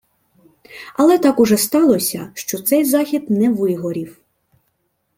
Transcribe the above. Але так уже сталося, що цей захід «не вигорів»